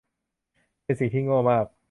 เป็นสิ่งที่โง่มาก